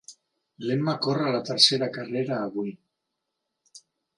L'Emma corre la tercera carrera avui.